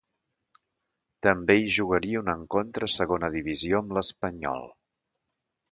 També hi jugaria un encontre a Segona Divisió amb l'Espanyol.